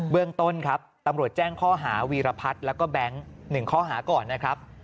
เรื่องต้นครับตำรวจแจ้งข้อหาวีรพัฒน์แล้วก็แบงค์๑ข้อหาก่อนนะครับ